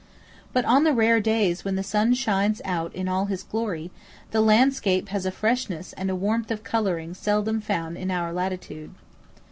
But, on the rare days when the sun shines out in all his glory, the landscape has a freshness and a warmth of colouring seldom found in our latitude.